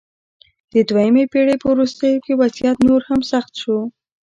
د دویمې پېړۍ په وروستیو کې وضعیت نور هم سخت شو